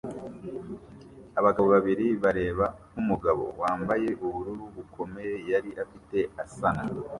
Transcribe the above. Abagabo babiri bareba nkumugabo wambaye ubururu bukomeye yari afite asana